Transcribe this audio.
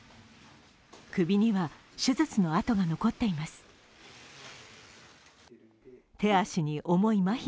首には手術の痕が残っています。